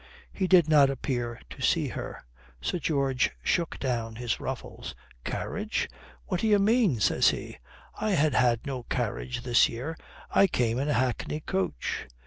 He did not appear to see her. Sir George shook down his ruffles. "Carriage? What d'ye mean?" says he. "I ha' had no carriage this year. I came in a hackney coach."